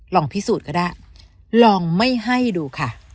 ลองพิสูจน์ก็ได้ลองไม่ให้ดูค่ะ